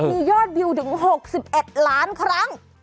มียอดวิวถึง๖๑ล้านครั้ง